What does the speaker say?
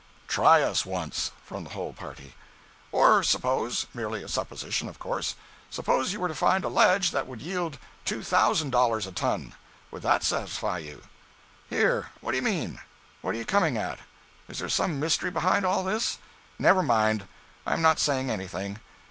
"Try us once!" from the whole party. "Or suppose—merely a supposition, of course—suppose you were to find a ledge that would yield two thousand dollars a ton—would that satisfy you?" "Here—what do you mean? What are you coming at? Is there some mystery behind all this?" "Never mind. I am not saying anything.